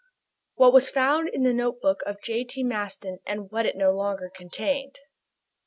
WHAT WAS FOUND IN THE NOTEBOOK OF J.T. MASTON AND WHAT IT NO LONGER CONTAINED.